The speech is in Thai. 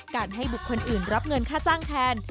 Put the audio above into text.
ให้บุคคลอื่นรับเงินค่าจ้างแทน